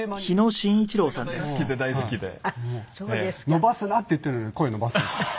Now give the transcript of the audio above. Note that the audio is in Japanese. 伸ばすなって言っているのに声伸ばすんです。